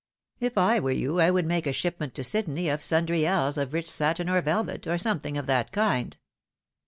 If I were you I would make a shipment to Sydney of sundry ells of rich satin or velvet, or something of that kind."